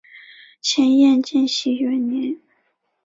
前燕建熙元年。